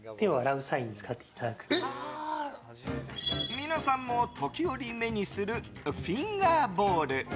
皆さんも時折目にするフィンガーボウル。